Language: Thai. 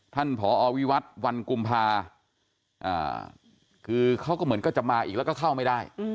ผอวิวัตรวันกุมภาคือเขาก็เหมือนก็จะมาอีกแล้วก็เข้าไม่ได้